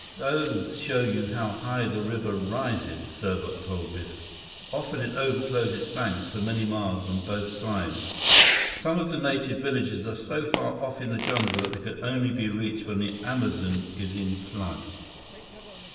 "Those show you how high the river rises," Serbot told Biff. "Often it overflows its banks for many miles on both sides. Some of the native villages are so far off in the jungle that they can only be reached when the Amazon is in flood."